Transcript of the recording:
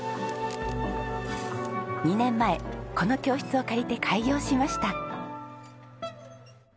２年前この教室を借りて開業しました。